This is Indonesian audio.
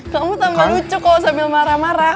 kamu tambah lucu kok sambil marah marah